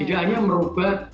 tidak hanya merubah